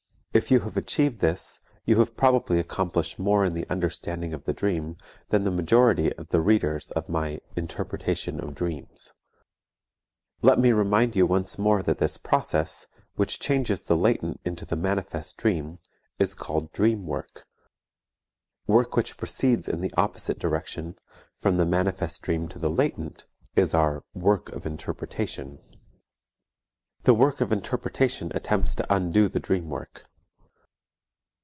If you have achieved this, you have probably accomplished more in the understanding of the dream than the majority of the readers of my Interpretation of Dreams. Let me remind you once more that this process, which changes the latent into the manifest dream, is called dream work. Work which proceeds in the opposite direction, from the manifest dream to the latent, is our work of interpretation. The work of interpretation attempts to undo the dream work.